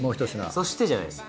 「そして」じゃないです。